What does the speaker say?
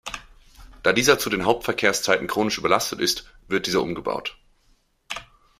Da dieser zu den Hauptverkehrszeiten chronisch überlastet ist, wird dieser umgebaut.